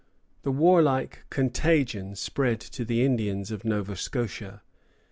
The warlike contagion spread to the Indians of Nova Scotia.